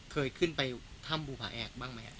เคยขึ้นไปถ้ำบูภาแอกบ้างมั้ย